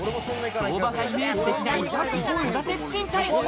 相場がイメージできない一戸建て賃貸。